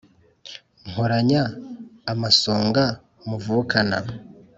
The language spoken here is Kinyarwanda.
nkoranya amasonga muvukana